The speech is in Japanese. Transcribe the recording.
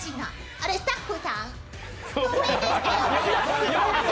あれ、スタッフさん。